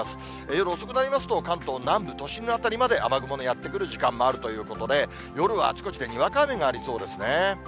夜遅くなりますと、関東南部、都心の辺りまで雨雲がやって来る時間もあるということで、夜はあちこちでにわか雨がありそうですね。